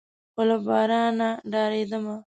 خو له بارانه ډارېدم.